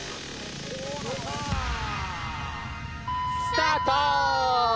スタート。